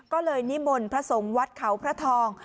ก็เลยนิมนต์พระสงฆ์วัดเขาพระทอง